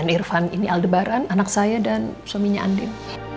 irfan ini aldebaran anak saya dan suaminya andin